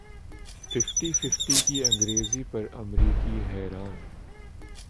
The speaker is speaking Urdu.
ففٹی ففٹی کی انگریزی پر امریکی حیران